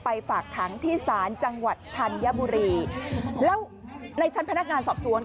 ฝากขังที่ศาลจังหวัดธัญบุรีแล้วในชั้นพนักงานสอบสวน